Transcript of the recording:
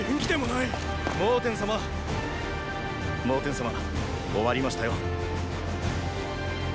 蒙恬様終わりましたよ。